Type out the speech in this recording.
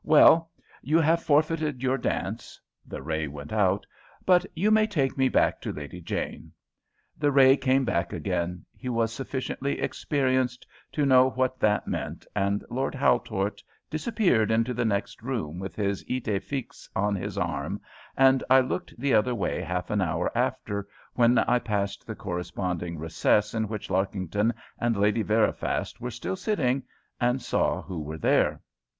Well, you have forfeited your dance" the ray went out "but you may take me back to Lady Jane." The ray came back again; he was sufficiently experienced to know what that meant, and Lord Haultort disappeared into the next room with his idée fixe on his arm, and I looked the other way half an hour after, when I passed the corresponding recess in which Larkington and Lady Veriphast were still sitting, and saw who were there.